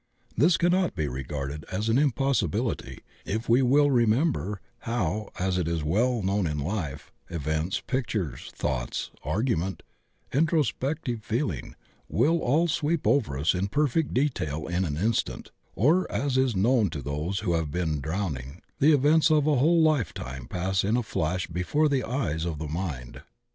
This cannot be regarded as an impossibility if we will remember how, as is well known in life, events, pictures, thoughts, argument, introspective feel ing will all sweep over us in perfect detail in an instant, or, as is known of those who have been drowning, the events of a whole life time pass in a flash before the eye of the mind.